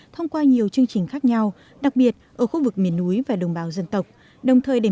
thông qua nhiều chương trình khác nhau đặc biệt ở khu vực miền núi và đồng bào dân tộc đồng thời để